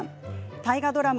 大河ドラマ